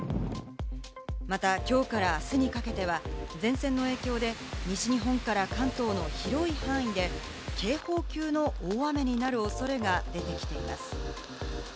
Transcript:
またきょうからあすにかけては前線の影響で、西日本から関東の広い範囲で警報級の大雨になる恐れが出てきています。